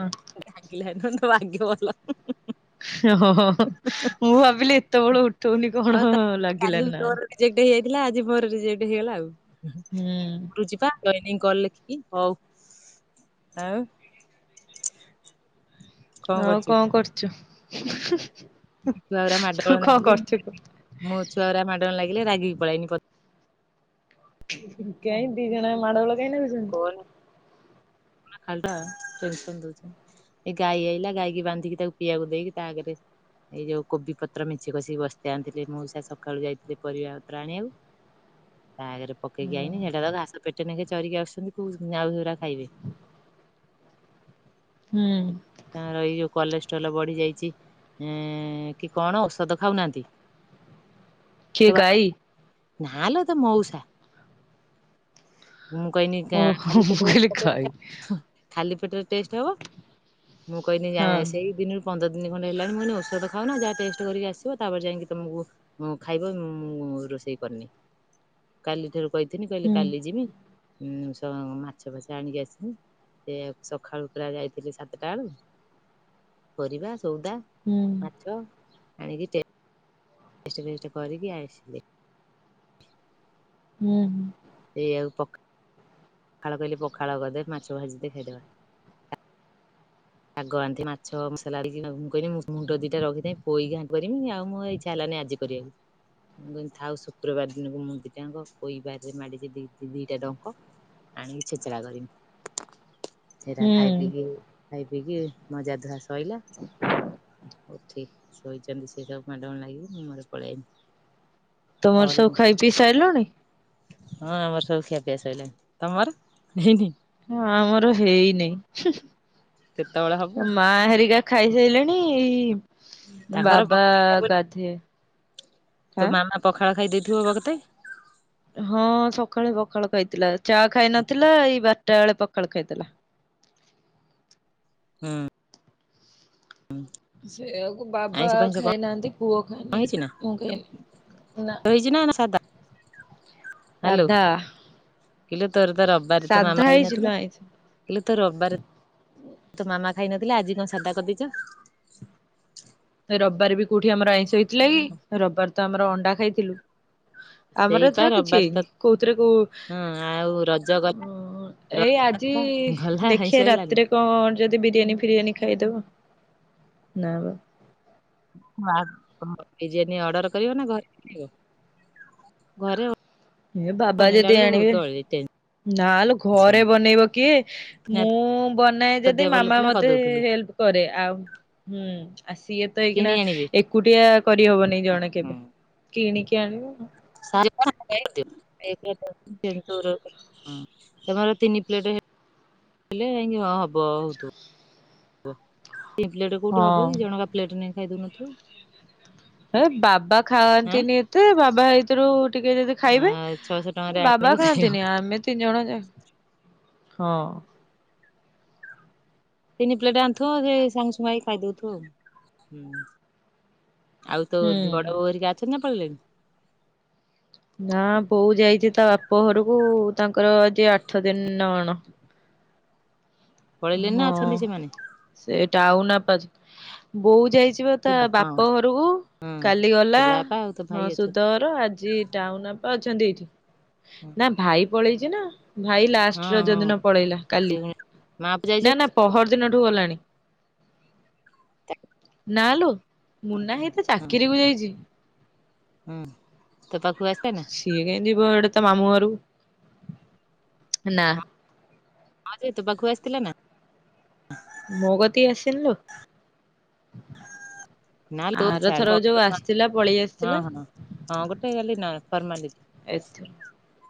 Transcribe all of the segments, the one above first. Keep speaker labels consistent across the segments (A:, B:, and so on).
A: ହଁ।
B: ଡାକିଲେ ତୋ ଭାଗ୍ୟ ଭଲ [unintelligible]
A: ହ, ହ ମୁଁ ଭାବିଲି ଏତେବେଳ ଉଠଉନି
B: ଆଉ
A: କଣ
B: ତା କାଲି
A: ଲାଗିଲାନି ନା
B: ତୋର
A: କଣ [unintelligible]
B: ରିଜେକ୍ଟ ହେଇଯାଇଥିଲା ଆଜି ମୋର ରିଜେକ୍ଟ ହେଇଗଲା ଆଉ।
A: ହୁଁ।
B: କରୁଛି ପା ଲେଖିକି ହଉ ଆଉ [unintelligible] କଣ
A: ଆଉ
B: କରୁଛୁ?
A: କଣ କରୁଛୁ [unintelligible]
B: ଛୁଆ ଗୁରା
A: ତୁ
B: ମାଡ଼ଗୋଳ
A: କଣ
B: ଲାଗିଲେ
A: କରୁଛୁ କହ?
B: ମୋ ଛୁଆ ଗୁରା ମାଡ଼ ଗୋଳ ଲାଗିଲେ ରାଗି କି ପଳେଇଆଇଲି ପଦା
A: କାଇଁ ଦି ଜଣ ମାଡଗୋଳ କାଇଁ ନାଗୁଛନ୍ତି?
B: ଖାଲି ଟା ଟେନସନ ଦଉଛି, ଏ ଗାଈ ଆଇଲା ଗାଈକି ବାନ୍ଧିକି ତାକୁ ପିଇବାକୁ ଦେଇକି ତା ଆଗରେ ଏଇ ଯୋଉ କୋବି ପତ୍ର ମେଞ୍ଚେ କସିକି ବସ୍ତେ ଆଣିଥିଲେ ମଉସା ସକାଳୁ ଯାଇଥିଲେ ପରିବା ପତ୍ର ଆଣିବାକୁ। ତା ଆଗରେ ପକେଇକି
A: ହୁଁ
B: ଆଇନି ସେଟା ତ ଘାସ ପେଟ ନେଇେକି ଚରିକି ଆସୁଛନ୍ତି କୋଉ ଆଉ ସେ ଗୁରା ଖାଇବେ।
A: ହୁଁ।
B: ତାଙ୍କର ଏ ଯୋଉ କଲେଷ୍ଟ୍ରଲ୍ ବଢି ଯାଇଛି ଏଁ କି କଣ ଔଷଧ ଖାଉନାହାନ୍ତି। [inaudible]
A: କିଏ
B: ତୋ ବା
A: ଗାଈ
B: ନାଲୋ ତ ମଉସା [unintelligible] ମୁଁ କହିନି ଖାଲି ପେଟ
A: ଖାଇ
B: ଖାଲି ପେଟରେ ଟେଷ୍ଟ ହବ ମୁଁ କହିଲି ଯା
A: ହଁ
B: ସେଇ ଦିନରୁ ପନ୍ଦର ଦିନ ଖଣ୍ଡେ ହେଲାଣି ମୁଁ କହିଲି ଔଷଧ ଖାଉ ନା ଯାହା ଟେଷ୍ଟ କରିକି ଆସିବ ତାପରେ ଯାଇକି ତମକୁ ହଁ ଖାଇବ ମୁଁ ରୋଷେଇ କରିନି କାଲି ଠାରୁ କହିିଥିଲି କହିଲେ
A: ହୁଁ
B: କାଲି ଯିବି ସ ମାଛ ଫାଛ ଆଣିକି ଆସିି ସେଆକୁ ସକାଳୁ ପା ଯାଇଥିଲି ସାତଟା ବେଳକୁ। ପରିବା ସଉଦା
A: ହୁଁ
B: ମାଛ ଆଣିକି ଟେଷ୍ଟ ଫେଷ୍ଟ କରିକି ଆସିଲି।
A: ହୁଁ ହୁଁ।
B: ସେଇଆକୁ ପ ପଖାଳ କହିଲେ ପଖାଳ କରିଦେ ମାଛ ଭାଜି ଦେ ଖାଇଦେବା। ଶାଗ ଆଣିଥି ମାଛ ମସଲା ମୁଁ କହିଲି ମୁଣ୍ଡ ଦିଟା ରଖିଦେବି ପୋଇଘାଣ୍ଟ କରିବି ଆଉ ମ ଇଚ୍ଛା ହେଲାନି ଆଜି କରିଆକୁ। ମୁଁ କହିଲି ଥାଉ ଶୁକ୍ରବାର ଦିନକୁ ମୁଁ ଦିଟାଙ୍କ ପୋଇବାରି ରେ ମାଡିଛି ଦିଟା ଡଙ୍କ ଆଣିକି ଛିଞ୍ଚିଡା କରିମି ସେରା ଖାଇ
A: ହୁଁ
B: ପିକି ଖାଇ ପିକି ମଜା ଧୁଆ ଶଇଲା ଉଠିକି ଶୋଇଛି ସେ ସବୁ୍ ମାଡ଼ ଗୁଳ ଲାଗିକି ମୁଁ ମୋର ପଳେଇଆଇନି।
A: ତମର ସବୁ
B: ଅଳିନି
A: ଖାଇ ପିଇ ସାଇଲଣି?
B: ହଁ ଆମର ସବୁ ଖିଆ ପିଆ ସଇଲାଣି। ତମର?
A: ହଁ ଆମର
B: କେତେବେଳେ ହବ
A: ହେଇନାହିଁ। ମା ହେରିକା ଖାଇସାଇଲେଣି ଏଇ
B: ତାଙ୍କର
A: ବାବା
B: ପଖାଳ ଖାଇବେ।
A: ଗାଧେଇ
B: ତୋ
A: ହଁ।
B: ମାମା ପଖାଳ ଖାଇ ଦେଇଥିବ ବକତେ।
A: ହଁ ସକାଳେ ପଖାଳ ଖାଇଥିଲା ଚା ଖାଇନଥିଲା ଏଇ ବାରଟା ବେଳେ ପଖାଳ ଖାଇଥିଲା।
B: ହୁଁ।
A: ସେଆକୁ ବାବା
B: ଆଇଁଷ ଫାଇଁଷ
A: ଖାଇନାହାନ୍ତି ପୁଅ
B: କଣ
A: ଖାଏନି ମୁଁ ଖାଇନି ନା।
B: ଜିନ ମାନ ସାଧା। ହାଲୋ
A: ସାଧା
B: କିଲୋ ତୋର ତ ରବିବାର ତ
A: ସାଧା
B: ମାମା
A: ହେଇଛି ଲୋ
B: ହେଇନଥିଲା।
A: ଆଇଁଷ।
B: ଇଲୋ ତୋ ରବିବାର ତୋ ମାମା ଖାଇନଥିଲେ ଆଜି କଣ ସାଦା କରିଦେଇଛ?
A: ରବିବାର ବି କୋଉଠି ଆମର ଆଇଁଷ ହେଇଥିଲା କି ରବିବାର ତ ଆମର ଅଣ୍ଡା ଖାଇଥିଲୁ।
B: [inaudible]
A: ଆମର ଏଥର କିଛି
B: ରବିବାରେ
A: ହେଇନି
B: ତ
A: କୋଉଥିରେ କୋଉ
B: ହଁ ଆଉ ରଜ ଗଲା
A: ହଁ।
B: ରଜ
A: ଏଇ ଆଜି
B: ଗଲା ଗଲା ଆଇଁଷ
A: ଦେଖିଆ
B: ହେଲାନି।
A: ରାତିରେ କଣ ଯଦି ବିରିୟାନୀ ଫିରିୟାନୀ ଖାଇଦବ ନା ବା।
B: ବିରିୟାନୀ ଅର୍ଡର କରିବ ନା ଘରେ ଘରେ
A: ଏ ବାବା ଯଦି
B: ବନେଇଲାବଳକୁ
A: ଆଣିବେ
B: ବହୁତ [unintelligible]
A: ନାଲୋ
B: ଟେନସନ
A: ଘରେ ବନେଇବ କିଏ?
B: ତୋ
A: ମୁଁ ବନାଏ ଯଦି
B: ଦେହ ଭଲ
A: ମାମା
B: ଥିଲା
A: ମତେ
B: କରିଦଉଥିଲୁ
A: ହେଲ୍ପ କରେ ଆଉ ହୁଁ ଆଉ ସିଏ ତ
B: କିଣି
A: ଏଇକିନା
B: ଆଣିବେ
A: ଏକୁଟିଆ କରିହବନି ଜଣେ କେବେ କିଣିକି ଆଣିବୁ।
B: [unintelligible] ତମର ତିନି ପ୍ଲେଟ ହେଲେ ଯାଇକି ହବ ହଉ [unintelligible] ତିନି ପ୍ଲେଟ କୋଉଠି ହବ
A: ହଁ
B: କି ଜଣକା ପ୍ଲେଟ ନେଇ ଖାଇ ଦଉନଥିବ।
A: ଏ ବାବା ଖାଆନ୍ତିନି ଏତେ ବାବା ହେଇ ଥିରୁ ଟିକେ ଯଦି ଖାଇବେ
B: ଆଁ ଛଅଶହ ଟଙ୍କାରେ
A: ବାବା
B: ଆଣିବୁ ଖାଇବ
A: ଖାଆନ୍ତିନି। ଆମେ ତିନି ଜଣ ଯାକ ହଁ।
B: ତିନି ପ୍ଲେଟ ଆଣୁଥିବ ସେଇ ସାଙ୍ଗସୁଙ୍ଗା ହେଇ ଖାଇଦଉଥିବ ଆଉ। ଆଉ ତ
A: ହୁଁ।
B: ବଡ ବୋଉ ହେରିକା ଅଛନ୍ତି ନା ପଳିଲେଣି?
A: ନା ବୋଉ ଯାଇଛି ତା ବାପ ଘରକୁ ତାଙ୍କର ଆଜି ଆଠ ଦିନ ନା କଣ।
B: ପଳେଇଲେନି ନା ଅଛନ୍ତି ସେମାନେ?
A: ସେଟା ଆଉ ନା ପାସ ବୋଉ ଯାଇଛି ସେପା
B: ସୁଧ ହଁ
A: ତାବାପ ଘରକୁ
B: ହଁ
A: କାଲି
B: ତୋ
A: ଗଲା
B: ବାପା ଆଉ ତୋ ଭାଇ
A: ହଁ
B: ଅଛନ୍ତି
A: ସୁଦଘର ଆଜି ଟାଉନ୍ ଅପା ଅଛନ୍ତି ଏଇଠି ନାଁ ଭାଇ ପଳେଇଚିନା। ଭାଇ
B: ହଁ
A: ଲାଷ୍ଟ
B: ହଁ
A: ରଜଦିନ ପଳେଇଲା
B: ସେ
A: କାଲି
B: ମା ପ
A: ନାଁ
B: ଯାଇଛନ୍ତି
A: ନାଁ ପହର ଦିନଠୁ ଗଲାଣି।
B: ନା?
A: ନାଲୋ ମୁନା ଭାଇ ତାଚାକିରିକୁ ଯାଇଚି।
B: ହୁଁ ତୋପାଖକୁ ଆସେନା?
A: ସିଏ କାହିଁକି ଯିବ ଏଡ଼େ ତାମାମୁଁ ଘରକୁ ନା।
B: ହଁ ସେ ତୋପାଖକୁ ଆସିଥିଲାନା?
A: ମୋକତିକି ଆସିନିଲୋ।
B: ନା
A: ଆରଥର
B: [unintelligible]
A: ଯୋଉ ଆସିଥିଲା ପଳେଇ
B: ହଁ
A: ଆସିଥିଲା
B: ହଁ ହଁ ଗୋଟେ ଗଲି ନା ଫର୍ମାଲିଟି
A: ଏଥର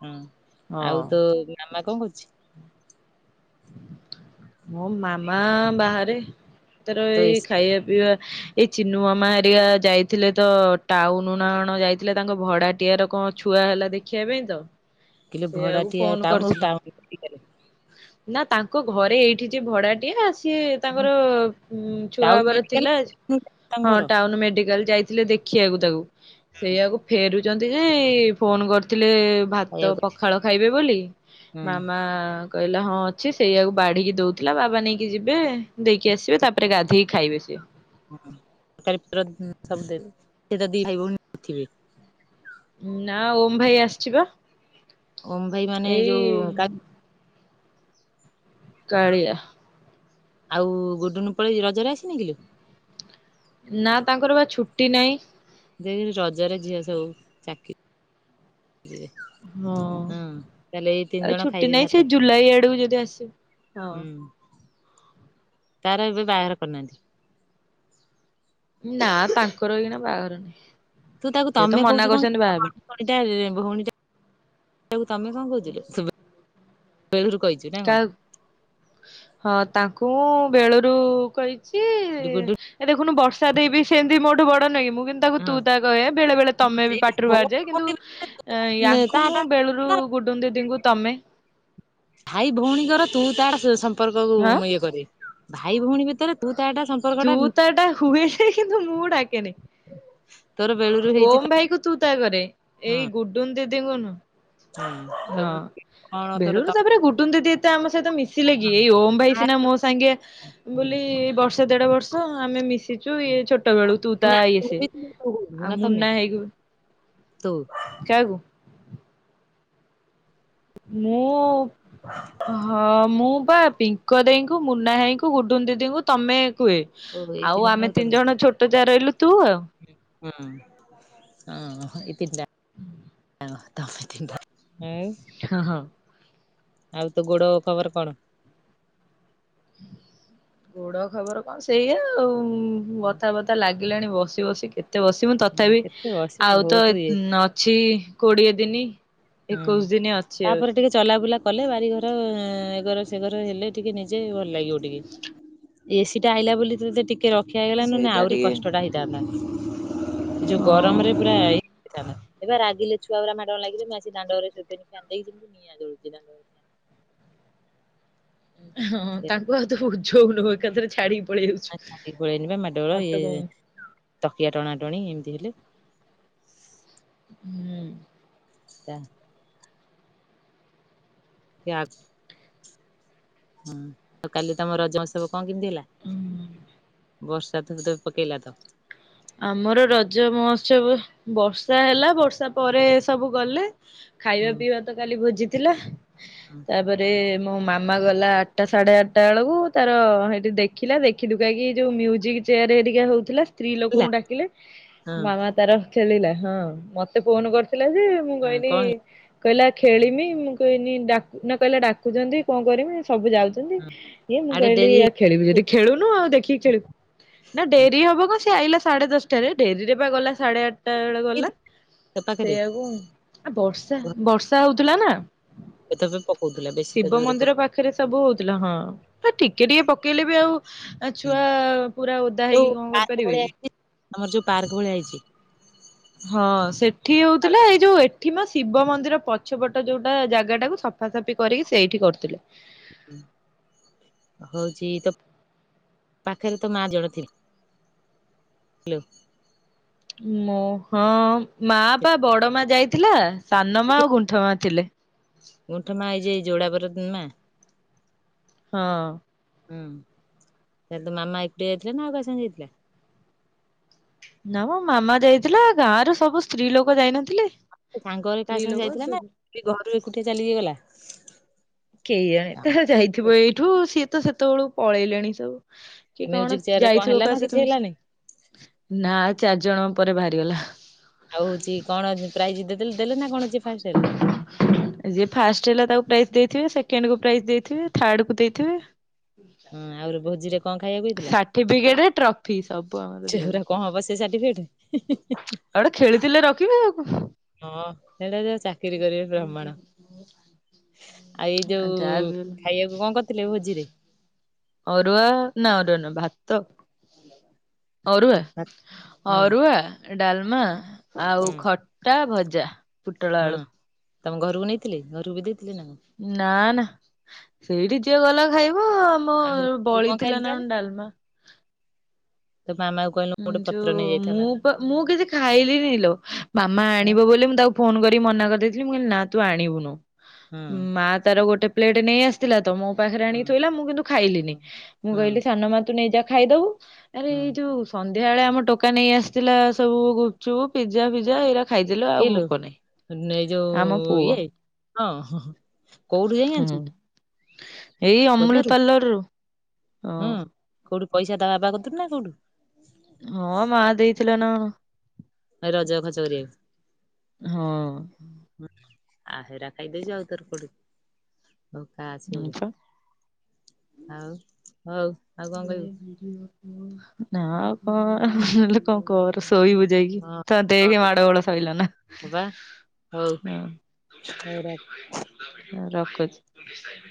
B: ହୁଁ ଆଉ
A: ହଁ।
B: ତୋ ମାମା କଁ କରୁଚି?
A: ମୋ ମାମା ବାହାରେ ତାର
B: ତୋ
A: ଏଇ
B: ଏସି
A: ଖାଇବା ପିଇବା ଏଇ ଚିନୁ ମାମା ହରିକା ଯାଇଥିଲେତ ଟାଉନନା କଣ ଯାଇଥିଲେ ତାଙ୍କ ଭଡ଼ାଟିଆର କଁ ଛୁଆ ହେଲା ଦେଖିବା ପାଇଁତ
B: କିଲୋ
A: ସେଇଆକୁ
B: ଭଡାଟିଆ
A: ଫୋନ୍
B: ଟାଉନ
A: କରିଥିଲେ
B: ଟାଉନ ମେଡିକାଲ
A: ନା ତାଙ୍କ ଘରେ ଏଇଠିଯେ ଭଡ଼ାଟିଏ ସିଏ ତାଙ୍କର ଛୁଆ
B: ଟାଉନ
A: ହବାର
B: ମେଡିକାଲ
A: ଥିଲା
B: ତାଙ୍କ
A: ହଁ
B: ଘର
A: ଟାଉନ୍ ମେଡିକାଲ୍ ଯାଇଥିଲେଖ ଦେ ଦେଖିଆକୁ ତାକୁ ସେଇଆକୁ ଫେରୁଚନ୍ତିଯେ ଫୋନ୍ କରିଥିଲେ ଭାତ
B: କହିବାକୁ ଗଲେ
A: ପଖାଳ ଖାଇବେ ବୋଲି
B: ହୁଁ
A: ମାମା କହିଲା ହଁ ଅଛି ସେଇଆକୁ ବାଢ଼ିକି ଦେଉଥିଲା ବାବା ନେଇକି ଯିବେ ଦେଇକି ଆସିବେ ତାପରେ ଗାଧୋଇକି ଖାଇବେ ସିଏ।
B: ହଁ ତାରି ସବୁ [unintelligible] ସେତ ଦି ଭାଇ ଭୋଉଣୀ ନଥିବେ?
A: ନା ଓମ୍ ଭାଇ ଆସିଚିପା।
B: ଓମ୍ ଭାଇ ମାନେ ଯୋଉ କା
A: କଳିଆ।
B: ଆଉ ଗୁଡୁନୁ ପଳେଇଚି ରଜରେ ଆସିନି କିଲୋ?
A: ନା ତାଙ୍କରବା ଛୁଟି ନାହିଁ।
B: ଦେଖେନି ରଜରେ ଝିଅ ସବୁ ଚାକି ଥିବେ
A: ହଁ ଆଉ
B: ଜଣ
A: ଛୁଟି
B: ଖାଇବେ
A: ନାହିଁ
B: ଭାତ
A: ସେଜୁଲାଇ ଆଡ଼କୁ ଯଦି ଆସିବ ହଁ।
B: ହୁଁ ତାର ଏବେ ବାହାଘର କରିନାହାନ୍ତି?
A: ନା ତାଙ୍କର ଏଇଖିଣା ବାହାଘର ନାହିଁ ସେତ ମନା କରୁଚନ୍ତି ବାହାପାଇଁ
B: ଭଉଣୀ ଭଉଣୀ ତମେ କଣ କହୁଚୁଲୋ ସୁବା କହିଚି
A: ତା ହଁ ତାଙ୍କୁମୁଁ ବେଳରୁ କଇଁଚି
B: ଗୁଡୁ
A: ଏ ଦେଖୁନୁ ବର୍ଷା ଦେଇବି ସେମିତି ମୋଠୁ ବଡ଼ ନୁହଁକି ମୁଁ କି ତାକୁ ତୁ
B: ହଁ
A: ତା କହେ ବେଳେ ବେଳେ ତମେବି
B: ସେଇଟା
A: ପାଟରୁ ବାହାରିଯାଏ କିନ୍ତୁ
B: ତା
A: ୟାଙ୍କୁ ମୁଁ ବେଳୁରୁ
B: ତା
A: ଗୁଡ଼ୁନୁ ଦିଦିଙ୍କୁ ତମେ
B: ଭାଇ ଭଉଣୀଙ୍କର ତୁ ତାଟା ସମ୍ପର୍କ
A: ହଁ
B: ଇଏ କରେ ଭାଇ ଭଉଣୀ ଭିତରେ ତୁ ତାଟା ସପ
A: ତୁ ତାଟା ହୁଏଯେ କିନ୍ତୁ ମୁଁ ଡାକେନି।
B: [inaudible] ତୋର ବେଳୁରୁ ହେଇଛି
A: ଓମ୍
B: ହୁଁ
A: ଭାଇକୁ ତୁ ତା କରେ ଏଇ ଗୁଡୁନ୍ ଦିଦିଙ୍କୁ ନୁହଁ।
B: ହଁ ସବୁ କଣ ତୋର
A: ବେଳୁରୁ
B: ତ
A: ତାପରେ ଗୁଡୁନ୍ ଦିଦି ଏତେ ଆମ ସହିତ ମିଶିଲେକି ଏଇ ଓମ୍ ଭାଇ ସିନା ମୋସାଙ୍ଗିଆ ବୋଲି ବର୍ଷ ଦେଢ ବର୍ଷ ଆମେ ମିଶିଚୁ ଇଏ ଛୋଟ ବେଳୁ ତୁ ତା ଇଏସେ
B: ତୁ ନା ତମେ ତୁ।
A: କାଆକୁ? ମୁଁ ହଁ ମୁଁ ବା ପିଙ୍କ ଦେଇେଙ୍କୁ ମୁନା ହୋଇଙ୍କୁ ଗୁଡୁ ଦିଦିଙ୍କୁ ତମେ କୁହେ।
B: ଓ ଏଇ
A: ଆଉ ଆମେ
B: ଜଣଙ୍କୁ
A: ତିନି
B: ତମେ
A: ଜଣ ଛୋଟ ଯାହା ରହିଲୁ ତୁ ଆଉ
B: ହୁଁ ହଁ ଏଇ ତି ଟା
A: [inaudible]
B: [unintelligible] ଆଉ
A: ହଁ ହଁ।
B: ଆଉ ତୋ ଗୋଡ ଖବର କଣ?
A: ଗୋଡ ଖବର କଣ ସେଇଆ ଆଉ ବଥାବଥା ଲାଗିଲାଣି ବସି ବସି କେତେ? କେତେ ବସିବୁ
B: ହଁ
A: ତଥାପି
B: କେତେ ବସିବୁ
A: ଆଉ ତ
B: ବହୁତ ଇଏ
A: ଅଛି କୋଡିଏ ଦିନି
B: ହୁଁ।
A: ଏକୋଇଶ ଦିନ ଅଛି ଆ
B: ତାପରେ ଟିକେ ଚଲାବୁଲା କଲେ ବାରିଘର ଏଗର ସେଘର ହେଲେ ଟିକେ ନିଜେ ଭଲ ଲାଗିବ ଟିକେ। ଏସିିଟା ଆଇଲା ବୋଲି ତତେ ଟିକିଏ ରଖିଆ ହେଇଗଲା ନ ହେନେ
A: ସେଇଟା
B: ଆହୁରି
A: ଟିକେ
B: କଷ୍ଟଟା ହେଇଥାନ୍ତା। ଯୋଉ
A: ହଁ।
B: ଗରମରେ ପୁରା [unintelligible] ରାଗିଲେ ଛୁଆ ଗୁଡା ମାଡ଼ ଲାଗିଲେ ଦାଣ୍ଡରେ ଶୁକେଇସୁକା ଦେଇକି ଯିମିତି ନିଆଁ ଜଳୁଥିଲା ଦାଣ୍ଡରେ
A: ହଁ ତାଙ୍କୁ ଆଉ ତ ବୁଝଉନ ଏକାଥରକେ ଛାଡିକି ପଳି ଆଉ
B: ପଳିଆଇଲି ବା ମାଡଳ ଗଳ ଇଏ ତକିଆ ଟଣା ଟଣି ଏମିତି ହେଲେ
A: ହୁଁ।
B: ତା ପିଆଜ ହୁଁ ତ କାଲି ତମ ରଜ ମହୋଉତ୍ସବ କଣ କେମିତି ହେଲା?
A: ହୁଁ।
B: ବର୍ଷା ଥୋପେ ଥୋପେ ପକେଇଲା ତ
A: ଆମର ରଜ ମହୋତ୍ସବ ବର୍ଷା ହେଲା ବର୍ଷା ପରେ ସବୁ ଗଲେ ଖାଇବା
B: ହୁଁ
A: ପିଇବା ତ କାଲି ଭୋଜିଥିଲା।
B: ହୁଁ
A: ତାପରେ ମୋ ମାମା ଗଲା ଆଠଟା ସାଢେ ଆଠଟା ବେଳକୁ ତାର ସେଇଠି ଦେଖ ଦେଖିଲା ଦେଖିଦୁକା କି ଯୋଉ ମ୍ୟୁଜିକ୍ ଚେୟାର ହେରିକା ହଉଥିଲା ସ୍ତ୍ରୀ
B: ହେଲା
A: ଲୋକଙ୍କୁ ଡାକିଲେ
B: ହଁ
A: ମାମା ତାର ଖେଳିଲା ହଁ ମତେ ଫୋନ କରିଥିଲା ଯେ ମୁଁ
B: ହଁ
A: କହିଲି
B: କଣ ହେଲା?
A: କହିଲା
B: ହଁ
A: ଖେଳିମି ମୁଁ କହିଲି ଡା ନା କହିଲା ଡାକୁଛନ୍ତି କଣ କରିମି ସବୁ ଯାଉ
B: ହଁ
A: ଏ ମୁ
B: ଆଡେ
A: କହିଲି
B: ଡେରି
A: ଆ ଖେଳିବୁ ଯଦି ଖେଳୁନୁ ଆଉ ଦେଖିକି ଖେଳିବୁ ନା ଡେରି ହବ କ ସେ ଆଇଲା ସାଢେ ଦଶଟାରେ ଡେରିରେ ବା ଗଲା ସାଢେ ଆଠଟା ବେଳେ
B: ହେଇ
A: ଗଲା
B: ତୋ ପାଖରେ?
A: ସେଇଆକୁ ଆ ବର୍ଷା ବର୍ଷା ହଉଥିଲା ନା
B: ଥୋପେ ଥୋପେ ପକଉଥିଲା ବେଶୀ ତ
A: ଶିବ
B: ଜୋରେ
A: ମନ୍ଦିର ପାଖରେ ସବୁ ହଉଥିଲା ହଁ ଟିକେ ଟିକେ ପକେଇଲେ ବି ଆଉ ଆ ଛୁଆ ପୁରା ଓଦା ହେଇକି
B: ଯୋଉ
A: କଣ
B: ପାର୍କ
A: କରିପାରିବେ
B: ଭଳିଆ
A: କି?
B: ହେଇଛି ଆମର ଯୋଉ ପାର୍କ ଭଳିଆ ହେଇଛି।
A: ହଁ ସେଠି ହଉଥିଲା ଏଇ ଯୋଉ ଏଠି ମ ଶିବ ମନ୍ଦିର ପଛପଟ ଯୋଉଟା ଜାଗା ଟାକୁ ସ ସଫାସଫି କରିକି ସେଇଠି କରୁଥିଲେ।
B: [inaudible] ହଉଛି ତ ପାଖରେ ତ ମା [unintelligible] ଥିଲେ। ହାଲୋ।
A: ମୋ ହଁ ମା ପା ବଡ ମା ଯାଇଥିଲା ସାନ ମା ଆଉ ଗୁଣ୍ଠ ମା ଥିଲେ।
B: ଗୁଣ୍ଠ ମା ଏଇଯିଏ ଯୋଡାବର [unintelligible] ମା
A: ହଁ।
B: ନାଇଁ ତୋ ମାମା ଏକୁଟିଆ ଯାଇଥିଲେ ନା ଆଉ କାହା ସାଙ୍ଗେ ଯାଇଥିଲେ?
A: ନାଁ ମୋ ମାମା ଯାଇଥିଲା ଗାଁ ର ସବୁ ସ୍ତ୍ରୀ ଲୋକ ଯାଇନଥିଲେ।
B: ସାଙ୍ଗରେ କାହା
A: ସ୍ତ୍ରୀ
B: ସାଙ୍ଗେ
A: ଲୋକ
B: ଯାଇଥିଲା
A: ଝିଅ
B: ନା
A: ପିଲା।
B: ଘରୁ ଏକୁଟିଆ ଚାଲି କି ଗଲା?
A: କେୟାଣି ତା ଯାଇଥିବ ଏଇଠୁ ସିଏ ତ ସେତେଓଳୁ ପଳେଇଲେଣି ସବୁ। କି କଣ
B: ମ୍ୟୁଜିକ ଚେୟାରରେ କଣ
A: ଯାଇଥିବ
B: ହେଲା
A: କା
B: ନା କିଛି
A: ସହିତ
B: ହେଲାନି
A: ମିଶି ନା ଚାରି ଜଣ ପରେ ବାହାରିଗଲା।
B: ଆଉ ହଉଛି କଣ ପ୍ରାଇଜ ଦେ ଦେଲେ ଦେଲେ ନା କଣ ଯିଏ ଫାଷ୍ଟ ହେଲା।
A: ଯିଏ ଫାଷ୍ଟ ହେଲା ତାକୁ ପ୍ରାଇଜ୍ ଦେଇଥିବେ ସେକେଣ୍ଡ କୁ ପ୍ରାଇଜ୍ ଦେଇଥିବେ ଥାର୍ଡ କୁ ଦେଇ ଥିବେ
B: ହଁ ଆହୁରି ଭୋଜିରେ କଣ ଖାଇବାକୁ
A: ସାଠିପିକେଟ ଟ୍ରଫି ସବୁ ଆମର
B: ସେଗୁଡା
A: ଦିଆହଉଛି।
B: କଣ ହବ ସାଠିପିକେଟ୍?
A: ଆଉଗୋଟେ ଖେଳୁଥିଲେ ରଖିବେ ଆଉ କଁ।
B: ହଁ [unintelligible] ଚାକିରି କରିବେ ପ୍ରମାଣ ଆଉ ଏଇ ଯୋଉ
A: ଯାହା ବି ହେଲେ
B: ଖାଇବାକୁ କଣ କରିଥିଲେ ଭୋଜିରେ?
A: ଅରୁଆ ନା ଅରୁଆ ନୁ ଭାତ। ଅରୁଆ
B: ଭାତ ହଁ
A: ଅରୁଆ ଡାଲମା ଆଉ
B: ହୁଁ
A: ଖ- ଟା ଭଜା। ପୋଟଳ
B: ହୁଁ
A: ଆଳୁ
B: ତମ ଘରକୁ ନେଇଥିଲେ ଘରକୁ ବି ଦେଇଥିଲେ?
A: ନାଁ ନାଁ ସେଇଠି ଯିଏ ଗଲା ଖାଇବ।
B: ଆଉ
A: ହଁ
B: ତୁ
A: ବଳି
B: କଣ ଖାଇଲୁ
A: ଥିଲା ନା
B: ତାହେଲେ
A: କଣ ଡାଲମା।
B: ତ ମାମା [inaudible]
A: ଯୋ
B: ପତ୍ର ନେଇଯାଇଥାନ୍ତା
A: ମୁଁ ମୁଁ କିଛି ଖାଇଲିିନି ଲୋ ମାମା
B: ହୁଁ
A: ଆଣିବ ବୋଲି ମୁଁ ତାକୁ ଫୋନ୍ କରିକି ମନା କରିଦେଇଥିଲି ମୁଁ କହିଲି ନା ତୁ ଆଣିବୁନୁ
B: ହୁଁ
A: ମା ତାର ଗୋଟେ ପ୍ଲେଟ୍ ନେଇ ଆସ ଥିଲା ତ ମୋ ପାଖରେ
B: ହୁଁ
A: ଆଣିକି ଥୋଇଲା ମୁଁ କିନ୍ତୁ ଖାଇଲିିନି ମୁଁ
B: ହୁଁ
A: କହିଲି ସାନମା ତୁ ନେଇ ଯା ଖାଇବୁ। ଆରେ
B: ହୁଁ
A: ଏଇ ଯୋଉ ସନ୍ଧ୍ୟା ବେଳେ ଆମ ଟୋକା ନେଇ ଆସିଥିଲା ସବୁ ଗୁପଚୁପ୍ ପିଜା ଫିଜା ଏଇରା। ଖାଇଦେଲୁ ଆଉ
B: କିଏ ଲୋ
A: ଭୋକ ନାହିଁ
B: ମାନେ ଏଇ
A: ଆମ
B: ଯୋଉ
A: ପୁଅ
B: ଇଏ ହଁ କୋଉଠୁ ଯାଇଁକି
A: ହୁଁ
B: ଆଣି
A: ଏଇ ଅମୁଲ ପାଲର ରୁ।
B: ହଁ କୋଉଠୁ ପଇସା ତା ବାବା କତିରୁ ନା
A: ହଁ ମା ଦେଇଥିଲ ନା
B: ଆ ରଜ ଖର୍ଚ୍ଚ କରିବା
A: ହଁ।
B: ଆ ହେରା ଖାଇଦେଉଚୁ ଆଉ ତୋର କୁଆଡୁ ହଉ କାଛିବ
A: ହଁ ପା।
B: ଆଉ ହଉ। [unintelligible]
A: ନାଁ ଆଉ କଣ। କଣ କର ଶୋଇବୁ ଯାଇକି
B: ହଁ
A: ତ
B: ହଁ
A: ଦେଖେ ମାଡ ଗୋଳ ଶଇଲା ନା।
B: ହଁ ବା ହଉ ହଉ ରଖ।
A: ରଖୁଚି।